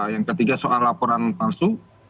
yang ketiga soal laporan palsu